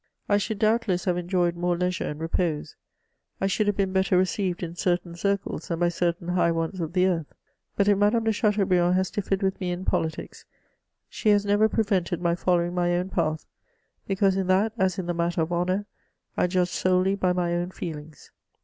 I should, doubtless, have enjoyed more leisure and repose ; I should have been better received in certain circles, and by certain high ones of the earth ; but if Madame de Chateaubriand has differed with me in politics, she has never prevented my following my own path, because in that, as in the matter of honour, I judge solely by my own feelings.